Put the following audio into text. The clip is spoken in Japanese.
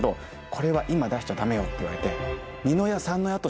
「これは今出しちゃダメよ」って言われて。